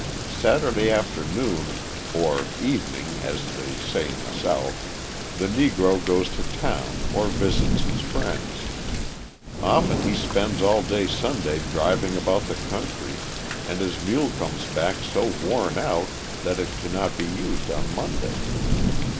Saturday afternoon (or "evening," as they say in the South) the Negro goes to town or visits his friends. Often he spends all day Sunday driving about the country and his mule comes back so worn out that it cannot be used on Monday.